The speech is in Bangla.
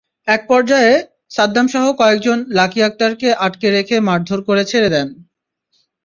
একপর্যায়ে সাদ্দামসহ কয়েকজন লাকী আক্তারকে আটকে রেখে মারধর করে ছেড়ে দেন।